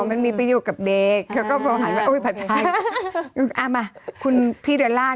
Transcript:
อยู่ดีก็พูดขึ้นมาว่าอาหารไทย